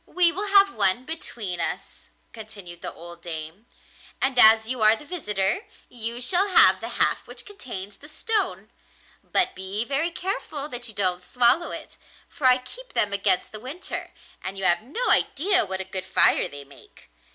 'We will have one between us,' continued the old dame; 'and as you are the visitor, you shall have the half which contains the stone; but be very careful that you don't swallow it, for I keep them against the winter, and you have no idea what a good fire they make.